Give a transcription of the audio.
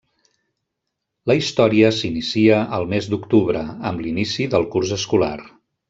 La història s'inicia al mes d'octubre, amb l'inici del curs escolar.